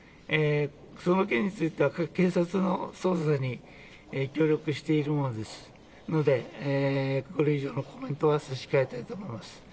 その件については警察の捜査に協力しているものですのでこれ以上のコメントは差し控えたいです。